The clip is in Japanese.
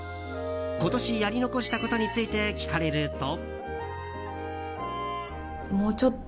今年やり残したことについて聞かれると。